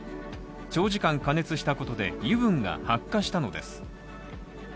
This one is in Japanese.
長時間加熱したことで、油分が発火したのです。